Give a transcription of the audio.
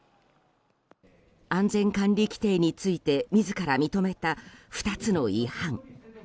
安全管理規程について自ら認めた２つの違反。